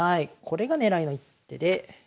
これが狙いの一手で。